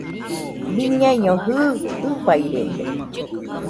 Biñaino jɨɨ, fɨfairede